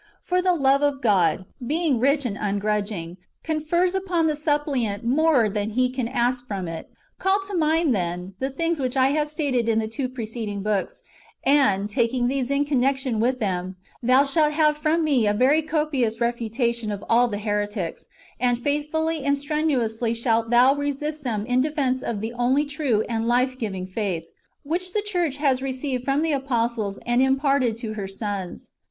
For the love of God, being rich and ungrudging, confers upon the suppliant more than he can ask from it. Call to mind, then, the things which I have stated in the two preceding books, and, taking these in con nection with them, thou shalt have from me a very copious R 258 IRENjEUS against HEEESIES. [Book hi. refutation of all the heretics ; and faithfully and strenuously shalt thou resist them in defence of the only true and life giving faith, which the church has received from the apostles and imparted to her sons.